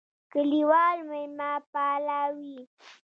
کلیوال مېلمهپاله وي.